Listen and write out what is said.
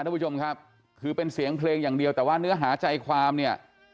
ทุกผู้ชมครับคือเป็นเสียงเพลงอย่างเดียวแต่ว่าเนื้อหาใจความเนี่ย